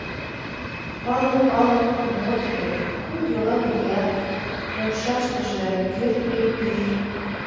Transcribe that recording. «Пале, пале, мо тиде: кум йолан ия, умшаштыже кӱртньӧ пӱй?»